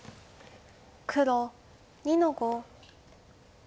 黒２の五。